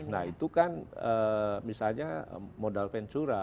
nah itu kan misalnya modal ventura